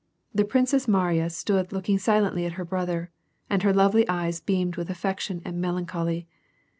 ^fhe Princess Mariya stood looking silently at her brother, and her lovely eyes beamed with affection and melancholy.